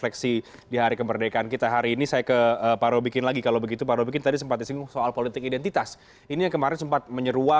kami akan segera kembali sesaatnya